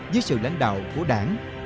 với sự lãnh đạo của đảng